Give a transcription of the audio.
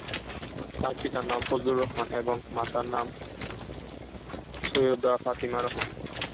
তার পিতার নাম ফজলুর রহমান এবং মাতার নাম সৈয়দা ফাতিমা রহমান।